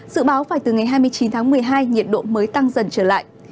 dự báo phải từ ngày hai mươi chín tháng một mươi hai nhiệt độ mới tăng dần trở lại